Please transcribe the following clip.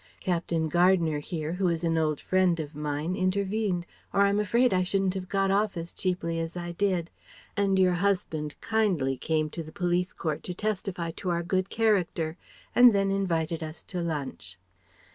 Captain Gardner here who is an old friend of mine intervened, or I'm afraid I shouldn't have got off as cheaply as I did. And your husband kindly came to the police court to testify to our good character, and then invited us to lunch."